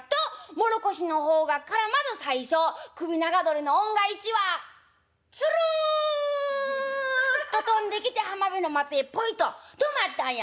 唐土の方角からまず最初首長鳥の雄が一羽つるっと飛んできて浜辺の松へポイと止まったんや」。